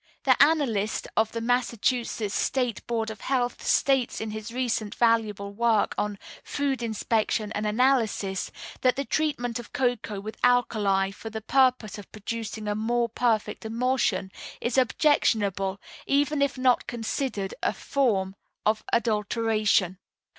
The analyst of the Massachusetts State Board of Health states in his recent valuable work on "Food Inspection and Analysis," that the treatment of cocoa with alkali for the purpose of producing a more perfect emulsion is objectionable, even if not considered as a form of adulteration.